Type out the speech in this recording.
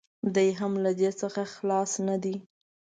دی هم له دې څخه خلاص نه دی.